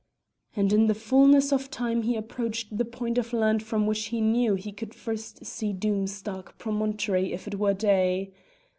And in the fulness of time he approached the point of land from which he knew he could first see Doom's dark promontory if it were day.